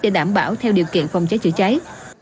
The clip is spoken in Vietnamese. để đảm bảo theo điều kiện phòng cháy chữa cháy